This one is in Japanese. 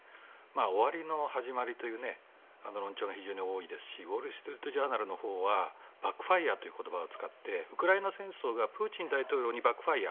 終わりの始まりという論調が非常に多いですしウォール・ストリート・ジャーナルはバックファイアという言葉を使ってウクライナ戦争がプーチン大統領にバックファイア。